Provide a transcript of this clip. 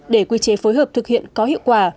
để quy chế phối hợp thực hiện có hiệu quả